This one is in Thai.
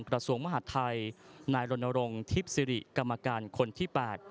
กระทรวงมหาดไทยนายรณรงค์ทิพย์สิริกรรมการคนที่๘